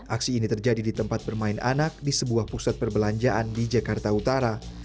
aksi ini terjadi di tempat bermain anak di sebuah pusat perbelanjaan di jakarta utara